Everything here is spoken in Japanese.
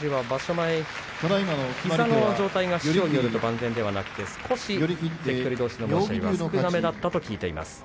前膝の状態が師匠によると万全ではないということでしたが稽古は少なめだったと聞いています。